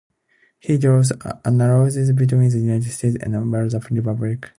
He draws analogies between the United States and the Weimar Republic.